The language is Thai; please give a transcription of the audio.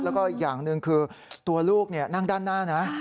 แล้วก็อีกอย่างหนึ่งคือตัวลูกนั่งด้านหน้านะ